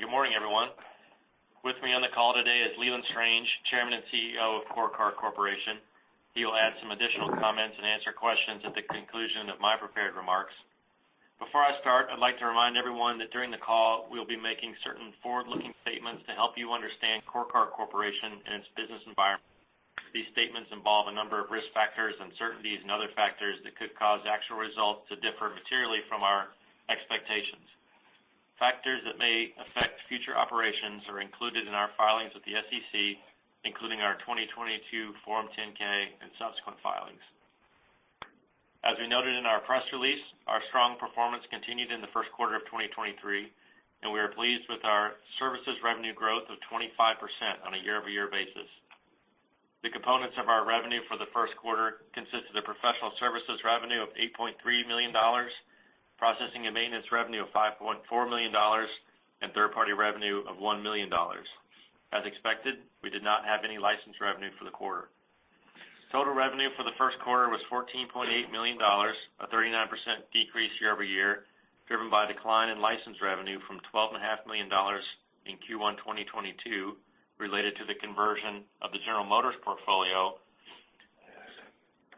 Good morning, everyone. With me on the call today is Leland Strange, Chairman and CEO of CoreCard Corporation. He will add some additional comments and answer questions at the conclusion of my prepared remarks. Before I start, I'd like to remind everyone that during the call, we'll be making certain forward-looking statements to help you understand CoreCard Corporation and its business environment. These statements involve a number of risk factors, uncertainties, and other factors that could cause actual results to differ materially from our expectations. Factors that may affect future operations are included in our filings with the SEC, including our 2022 Form 10-K and subsequent filings. As we noted in our press release, our strong performance continued in the first quarter of 2023, and we are pleased with our services revenue growth of 25% on a year-over-year basis. The components of our revenue for the first quarter consisted of professional services revenue of $8.3 million, processing and maintenance revenue of $5.4 million, and third-party revenue of $1 million. As expected, we did not have any license revenue for the quarter. Total revenue for the first quarter was $14.8 million, a 39% decrease year-over-year, driven by a decline in license revenue from twelve and a half million dollars in Q1 2022 related to the conversion of the General Motors portfolio,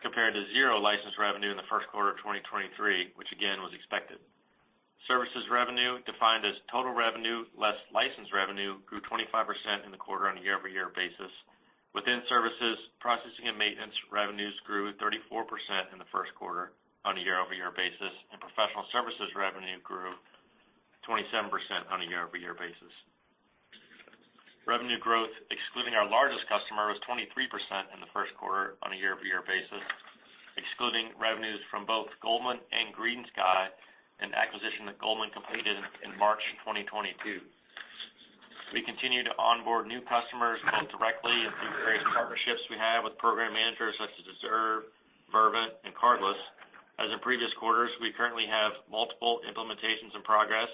compared to zero license revenue in the first quarter of 2023, which again was expected. Services revenue, defined as total revenue less license revenue, grew 25% in the quarter on a year-over-year basis. Within services, processing and maintenance revenues grew 34% in the first quarter on a year-over-year basis. Professional services revenue grew 27% on a year-over-year basis. Revenue growth, excluding our largest customer, was 23% in the first quarter on a year-over-year basis, excluding revenues from both Goldman and GreenSky, an acquisition that Goldman completed in March 2022. We continue to onboard new customers both directly and through various partnerships we have with program managers such as Deserve, Vervent, and Cardless. As in previous quarters, we currently have multiple implementations in progress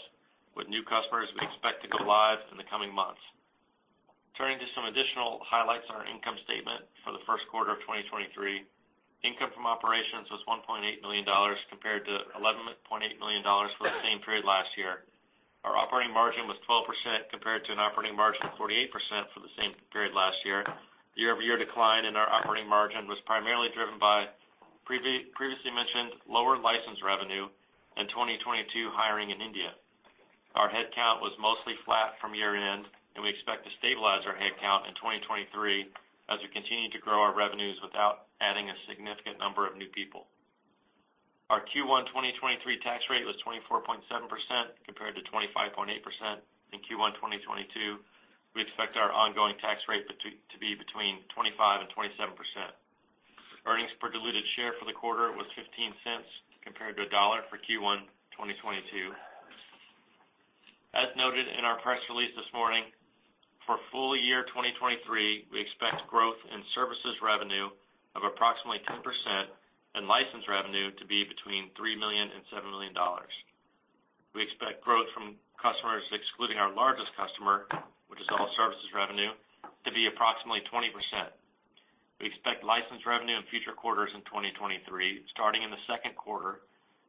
with new customers we expect to go live in the coming months. Turning to some additional highlights on our income statement for the first quarter of 2023. Income from operations was $1.8 million compared to $11.8 million for the same period last year. Our operating margin was 12% compared to an operating margin of 48% for the same period last year. Year-over-year decline in our operating margin was primarily driven by previously mentioned lower license revenue in 2022 hiring in India. Our head count was mostly flat from year-end, and we expect to stabilize our head count in 2023 as we continue to grow our revenues without adding a significant number of new people. Our Q1 2023 tax rate was 24.7% compared to 25.8% in Q1 2022. We expect our ongoing tax rate to be between 25% and 27%. Earnings per diluted share for the quarter was $0.15 compared to $1.00 for Q1 2022. As noted in our press release this morning, for full year 2023, we expect growth in services revenue of approximately 10% and license revenue to be between $3 million and $7 million. We expect growth from customers excluding our largest customer, which is all services revenue, to be approximately 20%. We expect license revenue in future quarters in 2023, starting in the second quarter.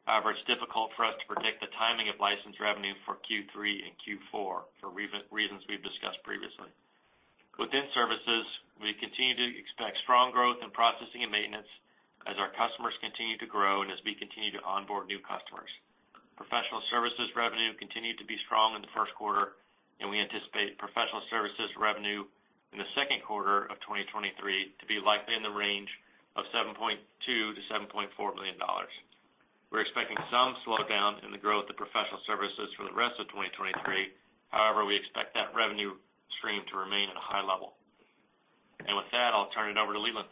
It's difficult for us to predict the timing of license revenue for Q3 and Q4 for reasons we've discussed previously. Within services, we continue to expect strong growth in processing and maintenance as our customers continue to grow and as we continue to onboard new customers. Professional services revenue continued to be strong in the first quarter. We anticipate professional services revenue in the second quarter of 2023 to be likely in the range of $7.2 million-$7.4 million. We're expecting some slowdown in the growth of professional services for the rest of 2023. However, we expect that revenue stream to remain at a high level. With that, I'll turn it over to Leland.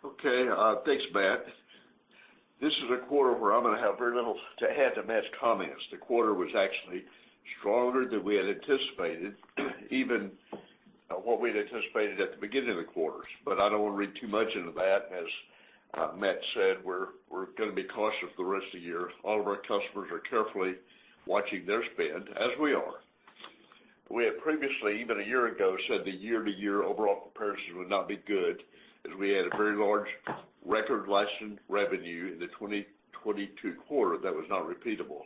Okay, thanks, Matt. This is a quarter where I'm going to have very little to add to Matt's comments. The quarter was actually stronger than we had anticipated, even what we had anticipated at the beginning of the quarters. I don't want to read too much into that. As Matt said, we're going to be cautious for the rest of the year. All of our customers are carefully watching their spend, as we are. We had previously, even a year ago, said the year-to-year overall comparison would not be good as we had a very large record license revenue in the 2022 quarter that was not repeatable.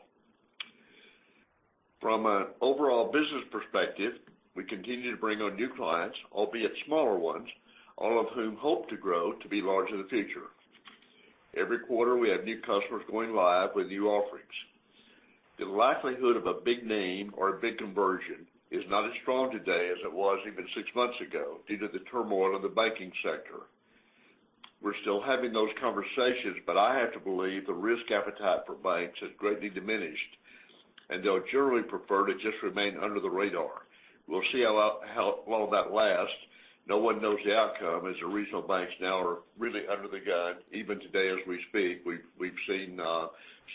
From an overall business perspective, we continue to bring on new clients, albeit smaller ones, all of whom hope to grow to be large in the future. Every quarter, we have new customers going live with new offerings. The likelihood of a big name or a big conversion is not as strong today as it was even six months ago due to the turmoil in the banking sector. We're still having those conversations, but I have to believe the risk appetite for banks has greatly diminished, and they'll generally prefer to just remain under the radar. We'll see how long that lasts. No one knows the outcome, as the regional banks now are really under the gun. Even today as we speak, we've seen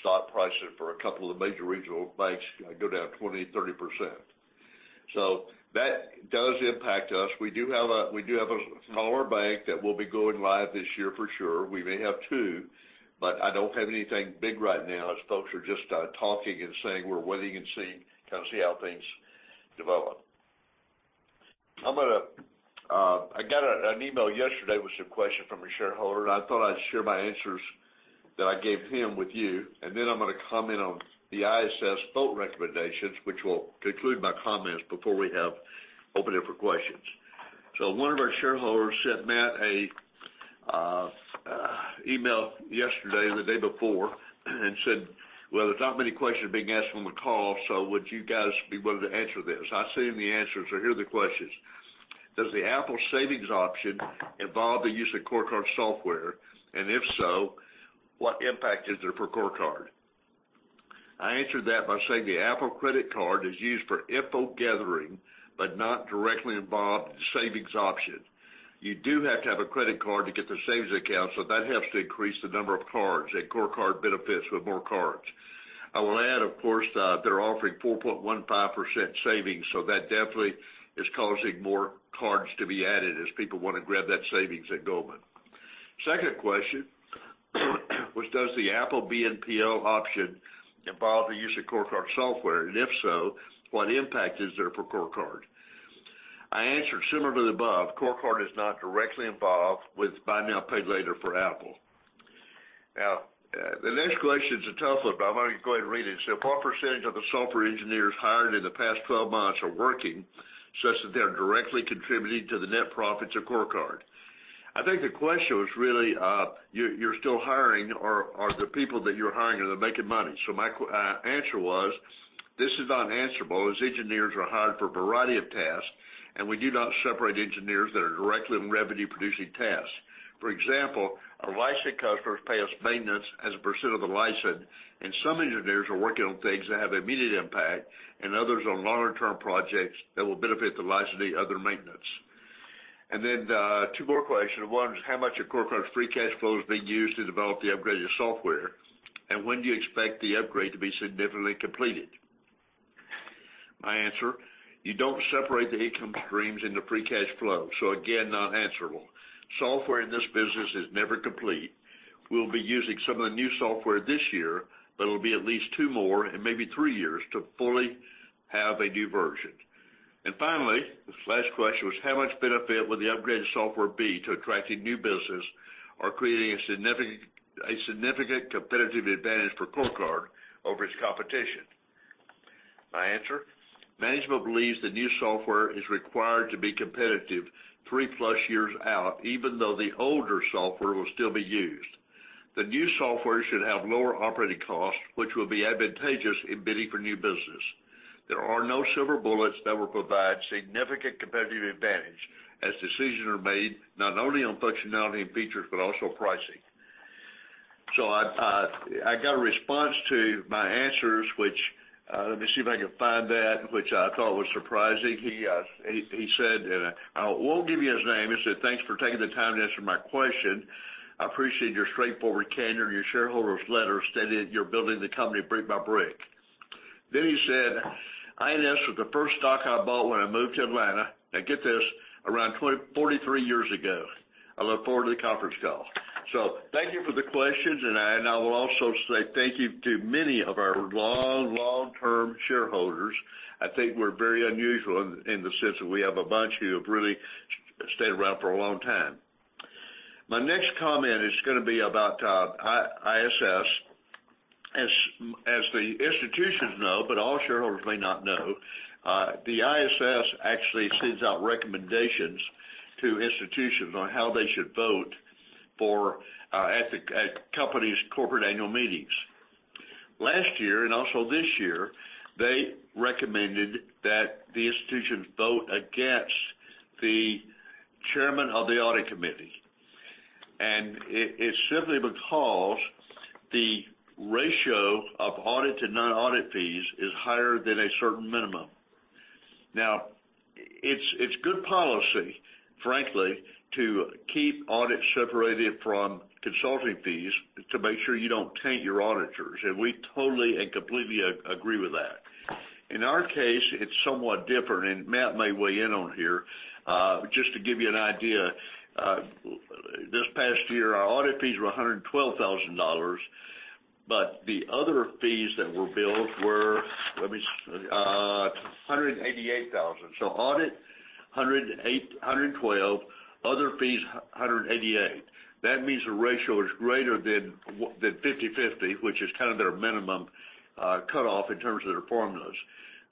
stock prices for a couple of the major regional banks go down 20%, 30%. That does impact us. We do have a smaller bank that will be going live this year for sure. We may have two, but I don't have anything big right now as folks are just talking and saying we're waiting and seeing, kind of see how things develop. I'm going to- I got an email yesterday with some question from a shareholder. I thought I'd share my answers that I gave him with you. I'm going to comment on the ISS vote recommendations, which will conclude my comments before we have open it for questions. One of our shareholders sent Matt an email yesterday or the day before and said, "Well, there's not many questions being asked from the call, so would you guys be willing to answer this?" I sent him the answers, so here are the questions. "Does the Apple savings option involve the use of CoreCard software? If so, what impact is there for CoreCard?" I answered that by saying the Apple credit card is used for info gathering, but not directly involved in the savings option. That helps to increase the number of cards, CoreCard benefits with more cards. I will add, of course, that they're offering 4.15% savings, that definitely is causing more cards to be added as people want to grab that savings at Goldman. Second question, was, "does the Apple BNPL option involve the use of CoreCard software? If so, what impact is there for CoreCard?" I answered, similar to the above, CoreCard is not directly involved with Buy Now, Pay Later for Apple. Now, the next question is a tough one, I'm going to go ahead and read it. What percentage of the software engineers hired in the past 12 months are working such that they're directly contributing to the net profits of CoreCard? I think the question was really, you're still hiring. Are the people that you're hiring, are they making money? My answer was, This is not answerable, as engineers are hired for a variety of tasks, and we do not separate engineers that are directly in revenue-producing tasks. For example, our licensing customers pay us maintenance as a percent of the license, and some engineers are working on things that have immediate impact and others on longer-term projects that will benefit the licensing other maintenance. Then, two more questions. One is, "how much of CoreCard's free cash flow is being used to develop the upgraded software? When do you expect the upgrade to be significantly completed?" My answer: you don't separate the income streams into free cash flow, so again, not answerable. Software in this business is never complete. We'll be using some of the new software this year, but it'll be at least two more and maybe three years to fully have a new version. Finally, the last question was: How much benefit will the upgraded software be to attracting new business or creating a significant, a significant competitive advantage for CoreCard over its competition? My answer, management believes the new software is required to be competitive 3+ years out, even though the older software will still be used. The new software should have lower operating costs, which will be advantageous in bidding for new business. There are no silver bullets that will provide significant competitive advantage as decisions are made not only on functionality and features, but also pricing. I got a response to my answers, which, let me see if I can find that, which I thought was surprising. He said, and I won't give you his name. He said, "Thanks for taking the time to answer my question. I appreciate your straightforward candor in your shareholders' letter stating that you're building the company brick by brick." Then he said, "INS was the first stock I bought when I moved to Atlanta," now get this, "around 43 years ago. I look forward to the conference call." Thank you for the questions, and I will also say thank you to many of our long-term shareholders. I think we're very unusual in the sense that we have a bunch who have really stayed around for a long time. My next comment is going to be about ISS. As the institutions know, but all shareholders may not know, the ISS actually sends out recommendations to institutions on how they should vote for at companies' corporate annual meetings. Last year and also this year, they recommended that the institutions vote against the chairman of the audit committee. It's simply because the ratio of audit to non-audit fees is higher than a certain minimum. It's good policy, frankly, to keep audits separated from consulting fees to make sure you don't taint your auditors, and we totally and completely agree with that. In our case, it's somewhat different, and Matt may weigh in on here. Just to give you an idea, this past year, our audit fees were $112,000, the other fees that were billed were $188,000. Audit, $112,000. Other fees, $188,000. That means the ratio is greater than 50/50, which is kind of their minimum cutoff in terms of their formulas.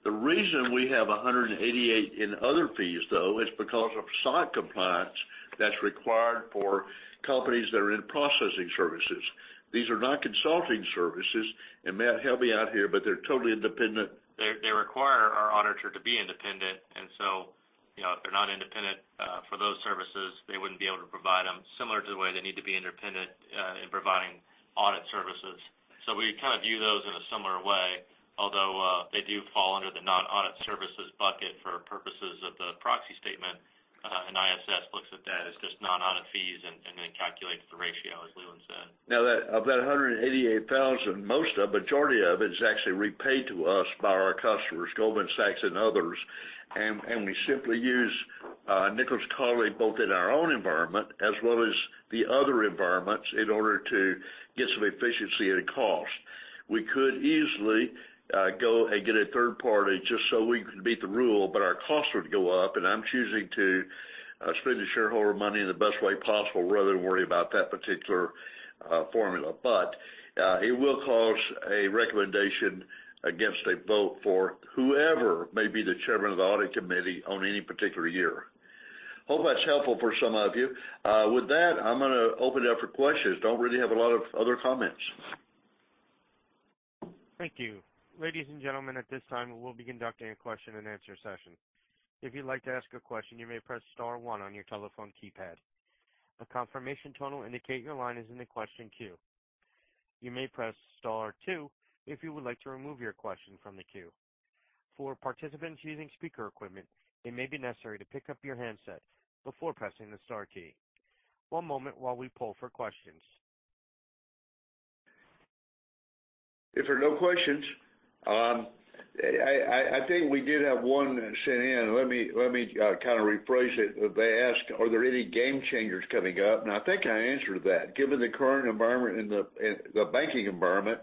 The reason we have $188,000 in other fees, though, is because of SOC compliance that's required for companies that are in processing services. These are not consulting services, and Matt help me out here, but they're totally independent. They require our auditor to be independent, you know, if they're not independent, for those services, they wouldn't be able to provide them, similar to the way they need to be independent, in providing audit services. We kind of view those in a similar way, although, they do fall under the non-audit services bucket for purposes of the proxy statement, and ISS looks at that as just non-audit fees and then calculates the ratio, as Leland said. Of that $188,000, majority of it is actually repaid to us by our customers, Goldman Sachs and others. We simply use [inaudible] both in our own environment as well as the other environments in order to get some efficiency in cost. We could easily go and get a third party just so we can meet the rule, but our costs would go up, and I'm choosing to spend the shareholder money in the best way possible rather than worry about that particular formula. It will cause a recommendation against a vote for whoever may be the chairman of the audit committee on any particular year. Hope that's helpful for some of you. With that, I'm going to open it up for questions. Don't really have a lot of other comments. Thank you. Ladies and gentlemen, at this time, we'll be conducting a question-and-answer session. If you'd like to ask a question, you may press star one on your telephone keypad. A confirmation tone will indicate your line is in the question queue. You may press star two if you would like to remove your question from the queue. For participants using speaker equipment, it may be necessary to pick up your handset before pressing the star key. One moment while we poll for questions. If there are no questions, I think we did have one sent in. Let me kind of rephrase it. They ask, "Are there any game changers coming up?" I think I answered that. Given the current environment in the banking environment,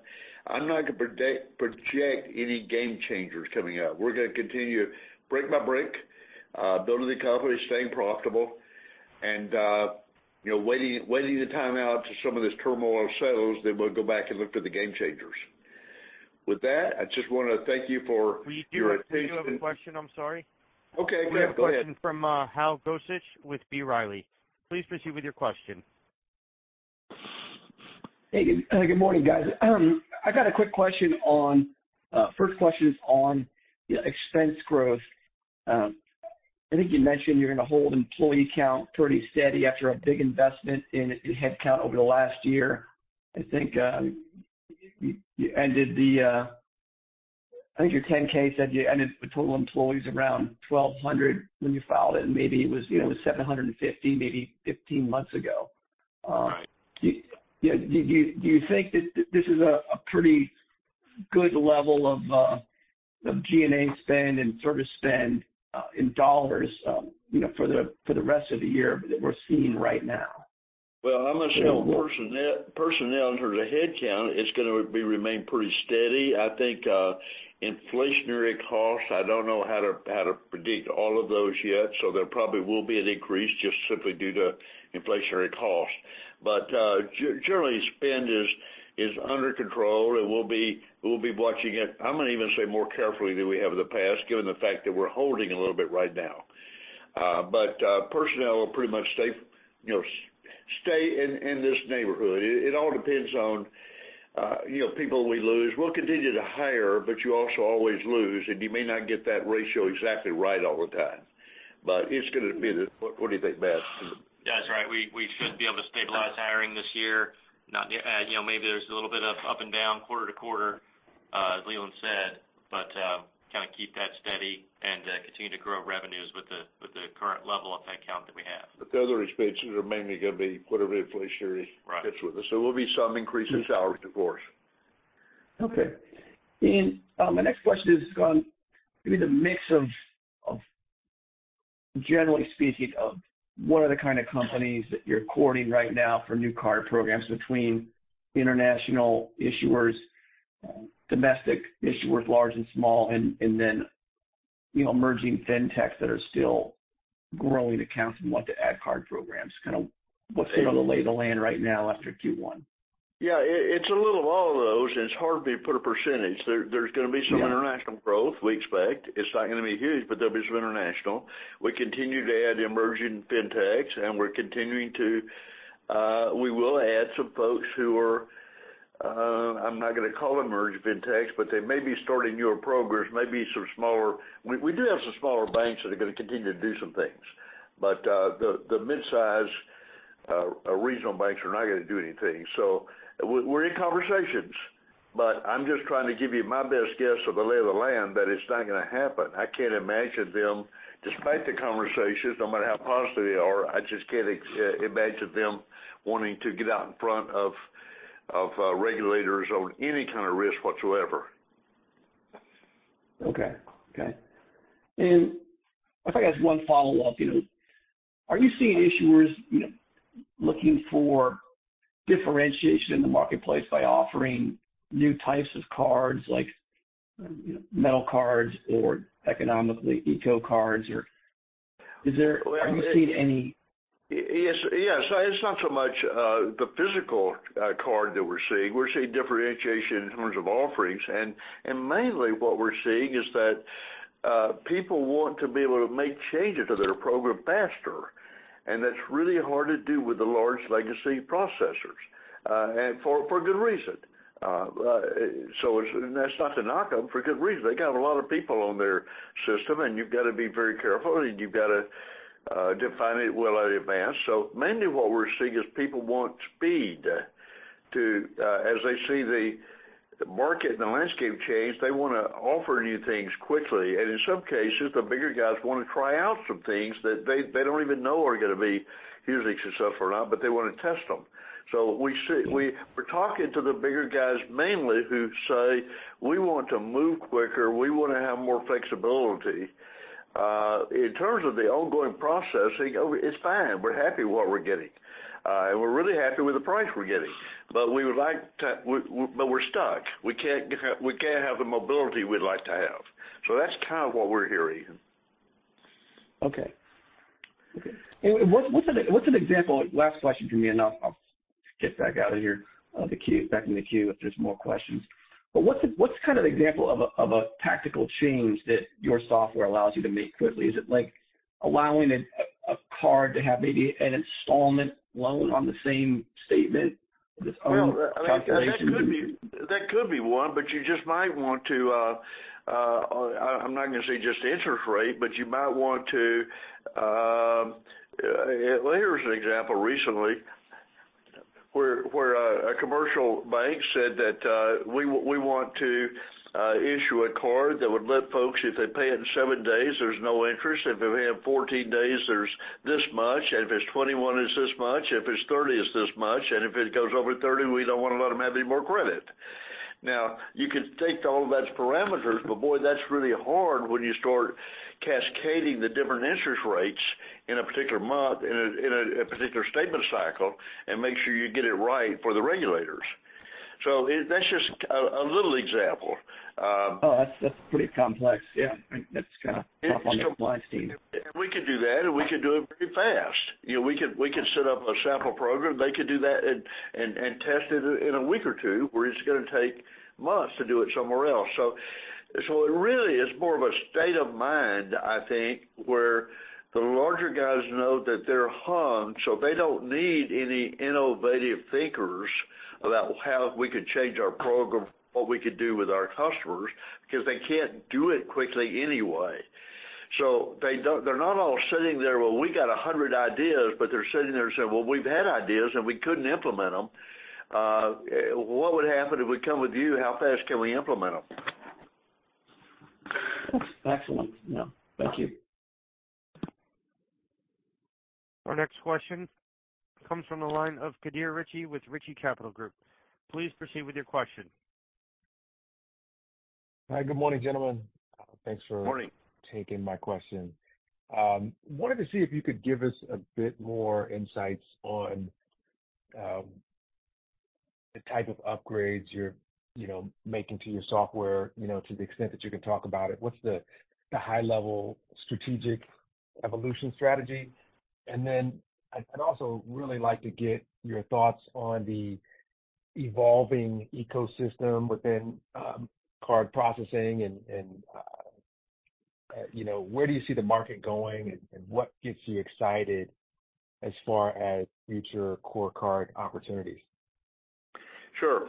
I'm not going to project any game changers coming up. We're going to continue brick by brick building the company, staying profitable and, you know, waiting the time out till some of this turmoil settles, then we'll go back and look for the game changers. With that, I just want to thank you for your attention. We do have a question. I'm sorry. Okay, go ahead. We have a question from Hal Goetsch with B. Riley. Please proceed with your question. Hey, good morning, guys. I've got a quick question on first question is on expense growth. I think you mentioned you're going to hold employee count pretty steady after a big investment in headcount over the last year. I think your 10-K said you ended with total employees around 1,200 when you filed it, and maybe it was, you know, 750 maybe 15 months ago. Do you think that this is a pretty good level of G&A spend and service spend in dollars, you know, for the rest of the year that we're seeing right now? Well, I'm going to say on personnel in terms of headcount is going to be remain pretty steady. I think inflationary costs, I don't know how to predict all of those yet, so there probably will be an increase just simply due to inflationary costs. Generally spend is under control, and we'll be watching it, I'm going to even say more carefully than we have in the past, given the fact that we're holding a little bit right now. Personnel will pretty much stay, you know, stay in this neighborhood. It all depends on, you know, people we lose. We'll continue to hire, but you also always lose, and you may not get that ratio exactly right all the time. It's going to be... What do you think, Matt? That's right. We should be able to stabilize hiring this year. Not, you know, maybe there's a little bit of up and down quarter to quarter, as Leland said, but, kind of keep that steady and, continue to grow revenues with the, with the current level of headcount that we have. The other expenses are mainly going to be inflationary. Right. -hits with us. There will be some increase in salary recourse. Okay. My next question is on maybe the mix of generally speaking, of what are the kind of companies that you're courting right now for new card programs between international issuers, domestic issuers, large and small, and then, you know, emerging fintechs that are still growing accounts and want to add card programs, kind of what's kind of the lay of the land right now after Q1? Yeah. It's a little of all of those. It's hard for me to put a percentage. There's going to be some international growth we expect. It's not going to be huge. There'll be some international. We continue to add emerging fintechs. We're continuing to, we will add some folks who are, I'm not going to call them emerging fintechs, they may be starting newer programs, maybe some smaller. We do have some smaller banks that are going to continue to do some things. The midsize regional banks are not going to do anything. We're in conversations, I'm just trying to give you my best guess of the lay of the land that it's not going to happen. I can't imagine them, despite the conversations, no matter how positive they are, I just can't imagine them wanting to get out in front of regulators on any kind of risk whatsoever. Okay. Okay. I guess one follow-up, you know? Are you seeing issuers, you know, looking for differentiation in the marketplace by offering new types of cards like, you know, metal cards or economically eco cards or is there? Well. Are you seeing any? Yes. Yes. It's not so much, the physical card that we're seeing. We're seeing differentiation in terms of offerings. Mainly what we're seeing is that people want to be able to make changes to their program faster. That's really hard to do with the large legacy processors, and for good reason. That's not to knock them. For good reason. They got a lot of people on their system, and you've got to be very careful, and you've got to define it well in advance. So mainly what we're seeing is people want speed to, as they see the market and the landscape change, they want to offer new things quickly. In some cases, the bigger guys want to try out some things that they don't even know are going to be music to suffer or not, but they want to test them. We're talking to the bigger guys mainly who say, "We want to move quicker. We want to have more flexibility." In terms of the ongoing processing, it's fine. We're happy what we're getting. And we're really happy with the price we're getting. We would like to. We're stuck. We can't have the mobility we'd like to have. That's kind of what we're hearing. Okay. Okay. What's an example? Last question from me, I'll get back out of here, the queue, back in the queue if there's more questions. What's kind of the example of a tactical change that your software allows you to make quickly? Is it like allowing a card to have maybe an installment loan on the same statement? Just own calculation. Well, that could be one, but you just might want to. I'm not going to say just interest rate, but you might want to. Well, here's an example recently where a commercial bank said that we want to issue a card that would let folks, if they pay it in seven days, there's no interest. If they pay in 14 days, there's this much. If it's 21, it's this much. If it's 30, it's this much. If it goes over 30, we don't want to let them have any more credit. You can take all that's parameters, but boy, that's really hard when you start cascading the different interest rates in a particular month, in a particular statement cycle and make sure you get it right for the regulators. that's just a little example. Oh, that's just pretty complex. That's kind of top on the supply scene. We could do that, we could do it pretty fast. You know, we could set up a sample program. They could do that and test it in a week or two, where it's going to take months to do it somewhere else. It really is more of a state of mind, I think, where the larger guys know that they're hung, so they don't need any innovative thinkers about how we could change our program, what we could do with our customers, because they can't do it quickly anyway. They're not all sitting there, well, we got 100 ideas, they're sitting there saying, "Well, we've had ideas, and we couldn't implement them. What would happen if we come with you? How fast can we implement them?" Excellent. Thank you. Our next question comes from the line of Khadir Richie with Richie Capital Group. Please proceed with your question. Hi, good morning, gentlemen. Morning. -taking my question. Wanted to see if you could give us a bit more insights on the type of upgrades you're, you know, making to your software, you know, to the extent that you can talk about it. What's the high-level strategic evolution strategy? Then I'd also really like to get your thoughts on the evolving ecosystem within card processing and, you know, where do you see the market going and what gets you excited as far as future CoreCard opportunities? Sure.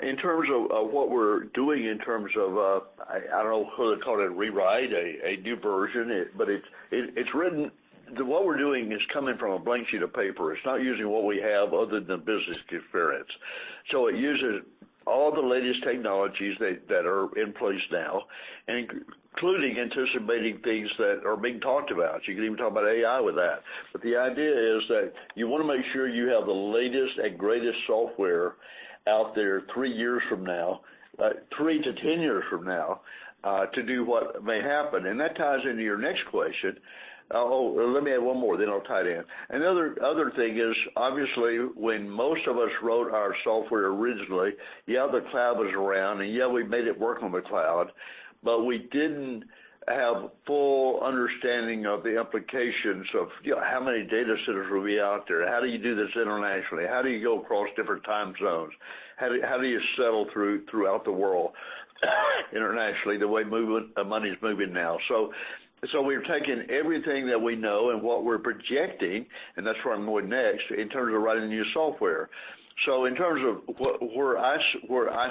In terms of what we're doing in terms of I don't know whether to call it a rewrite, a new version. but it's written. What we're doing is coming from a blank sheet of paper. It's not using what we have other than business inference. It uses all the latest technologies that are in place now, including anticipating things that are being talked about. You can even talk about AI with that. The idea is that you want to make sure you have the latest and greatest software out there 3-10 years from now to do what may happen. That ties into your next question. Oh, let me add one more then I'll tie it in. Another other thing is, obviously, when most of us wrote our software originally, yes, the cloud was around, and yes, we made it work on the cloud, but we didn't have full understanding of the implications of, you know, how many data centers will be out there. How do you do this internationally? How do you go across different time zones? How do you settle throughout the world, internationally, the way money is moving now? We've taken everything that we know and what we're projecting, and that's where I'm going next, in terms of writing new software. In terms of where I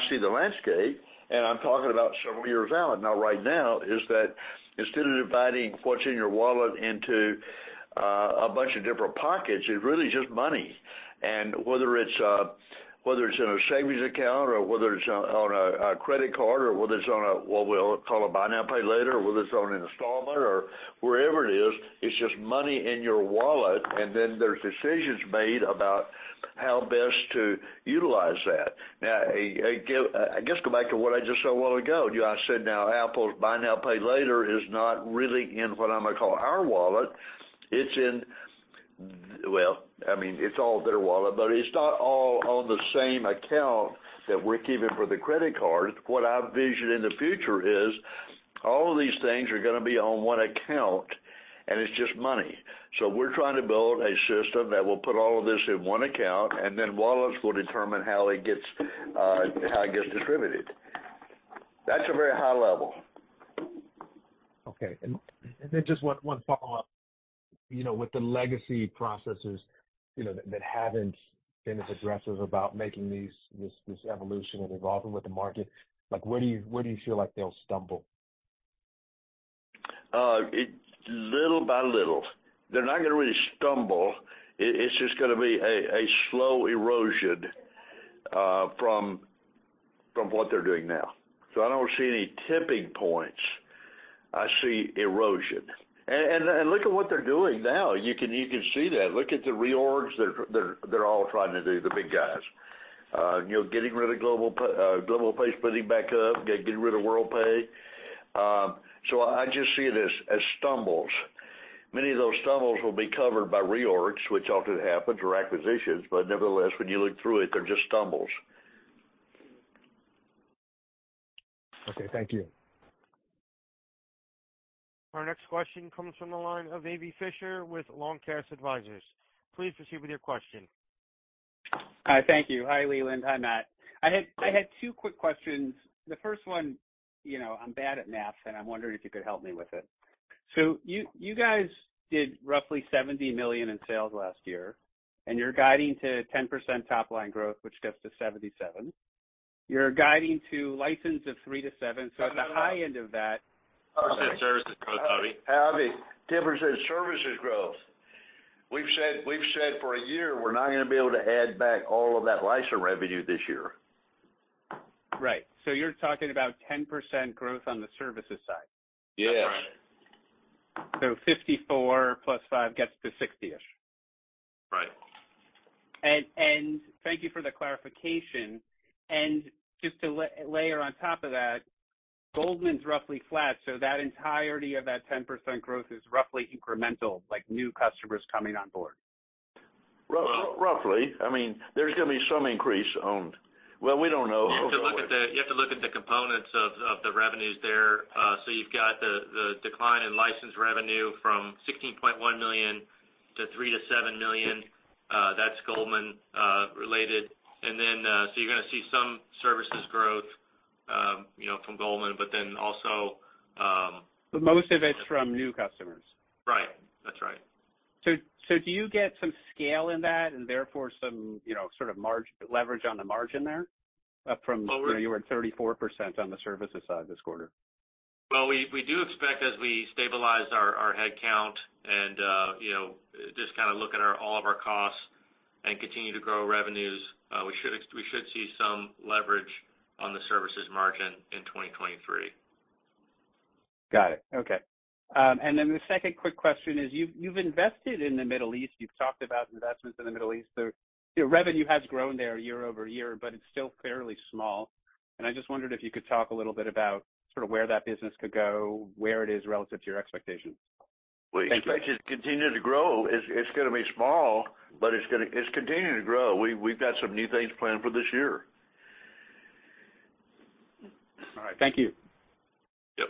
see the landscape, and I'm talking about several years out, not right now, is that instead of dividing what's in your wallet into a bunch of different pockets, it's really just money. Whether it's, whether it's in a savings account or whether it's on a credit card or whether it's on a, what we'll call a Buy Now, Pay Later, or whether it's on an installment or wherever it is, it's just money in your wallet. Then there's decisions made about how best to utilize that. Now, I guess go back to what I just said a while ago. You know, I said now Apple's Buy Now, Pay Later is not really in what I'm going to call our wallet. Well, I mean, it's all their wallet, but it's not all on the same account that we're keeping for the credit card. What I vision in the future is all of these things are going to be on one account, and it's just money. We're trying to build a system that will put all of this in one account, and then wallets will determine how it gets, how it gets distributed. That's a very high level. Okay. Then just one follow-up. You know, with the legacy processors, you know, that haven't been as aggressive about making this evolution and evolving with the market, like, where do you feel like they'll stumble? It's little by little. They're not going to really stumble. It's just going to be a slow erosion from what they're doing now. I don't see any tipping points. I see erosion. Look at what they're doing now. You can see that. Look at the reorgs they're all trying to do, the big guys. you know, getting rid of Global Payments building back up, getting rid of Worldpay. I just see it as stumbles. Many of those stumbles will be covered by reorgs, which often happens, or acquisitions. Nevertheless, when you look through it, they're just stumbles. Okay, thank you. Our next question comes from the line of Avi Fisher with Long Cast Advisers. Please proceed with your question. Hi, thank you. Hi, Leland. Hi, Matt. I had two quick questions. The first one, you know, I'm bad at math, and I'm wondering if you could help me with it. You guys did roughly $70 million in sales last year, and you're guiding to 10% top line growth, which gets to $77 million. You're guiding to license of 3 to 7- No, no. At the high end of that. 10% services growth, Avi. Avi, 10% services growth. We've said for a year, we're not going to be able to add back all of that license revenue this year. Right. You're talking about 10% growth on the services side? Yes. That's right. 54 + 5 gets to 60-ish. Right. Thank you for the clarification. Just to layer on top of that, Goldman's roughly flat, so that entirety of that 10% growth is roughly incremental, like new customers coming on board. Roughly. I mean, there's going to be some increase on... Well, we don't know. You have to look at the, you have to look at the components of the revenues there. You've got the decline in license revenue from $16.1 million to $3 million-$7 million, that's Goldman related. You're going to see some services growth, you know, from Goldman, also, Most of it's from new customers. Right. That's right. Do you get some scale in that and therefore some, you know, sort of leverage on the margin there? Well. You know, you were at 34% on the services side this quarter. Well, we do expect as we stabilize our head count and, you know, just kind of look at our all of our costs and continue to grow revenues, we should see some leverage on the services margin in 2023. Got it. Okay. The second quick question is, you've invested in the Middle East, you've talked about investments in the Middle East. You know, revenue has grown there year-over-year, but it's still fairly small. I just wondered if you could talk a little bit about sort of where that business could go, where it is relative to your expectations. Thank you. We expect it to continue to grow. It's going to be small, but it's continuing to grow. We've got some new things planned for this year. All right. Thank you. Yep.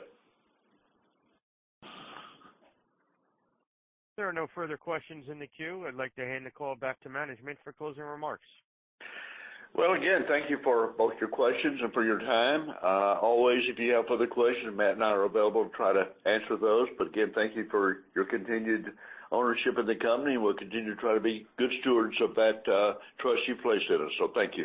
There are no further questions in the queue. I'd like to hand the call back to management for closing remarks. Well, again, thank you for both your questions and for your time. Always, if you have further questions, Matt and I are available to try to answer those. Again, thank you for your continued ownership of the company. We'll continue to try to be good stewards of that trust you place in us. Thank you.